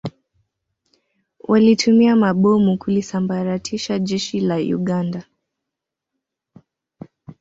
Walitumia mabomu kulisambaratisha Jeshi la Uganda